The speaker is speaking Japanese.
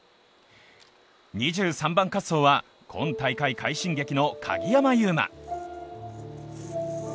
２３番滑走は今大会快進撃の鍵山優真。